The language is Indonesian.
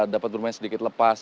dapat bermain sedikit lepas